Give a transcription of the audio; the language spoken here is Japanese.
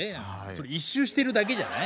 それ一周してるだけじゃない？